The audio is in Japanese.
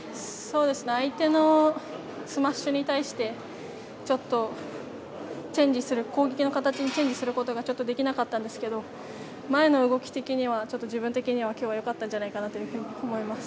相手のスマッシュに対してちょっと攻撃の形にチェンジすることができなかったんですが前の動き的には、自分的には良かったんじゃないかなと思います。